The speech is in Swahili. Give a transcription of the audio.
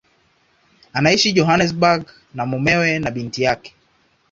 Anaishi Johannesburg na mumewe na binti yake.